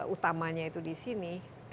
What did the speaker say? utamanya itu di sini